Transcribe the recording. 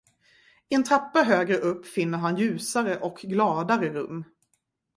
En trappa högre upp finner han ljusare och gladare rum.